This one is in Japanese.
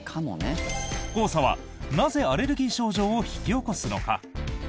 黄砂はなぜアレルギー症状を引き起こすのか？